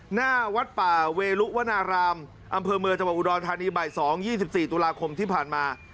หน้าวัดป่าเวรุวนารามอำเภอเมืองจังหวัดอุดรธานีบ่าย๒๒๔ตุลาคมที่ผ่านมา